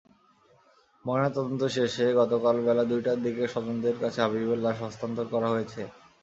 ময়নাতদন্ত শেষে গতকাল বেলা দুইটার দিকে স্বজনদের কাছে হাবিবের লাশ হস্তান্তর করা হয়েছে।